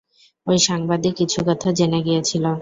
ঐ সাংবাদিক কিছু কথা জেনে গিয়েছিল।